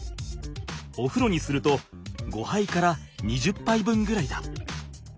おふろにすると５はいから２０ぱい分ぐらいだ！